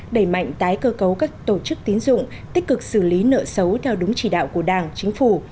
đẩy mạnh tái cơ cấu các tổ chức tín dụng tích cực xử lý nợ xấu theo đúng chỉ đạo của đảng chính phủ